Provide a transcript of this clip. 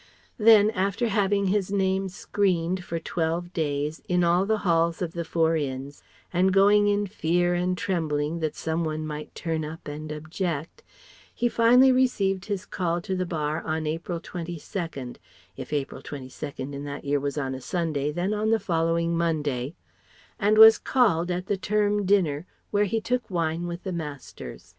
Then after having his name "screened" for twelve days in all the Halls of the four Inns, and going in fear and trembling that some one might turn up and object, he finally received his call to the Bar on April 22 (if April 22 in that year was on a Sunday, then on the following Monday) and was "called" at the Term Dinner where he took wine with the Masters.